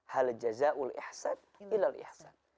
hal jazah ul ihsan ilal ihsan